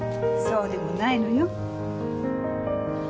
そうでもないのよ。